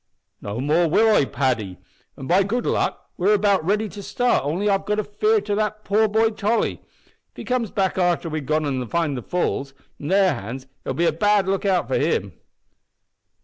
"No more I will, Paddy an', by good luck, we're about ready to start only I've got a fear for that poor boy Tolly. If he comes back arter we're gone an' falls into their hands it'll be a bad look out for him."